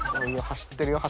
走ってるよ。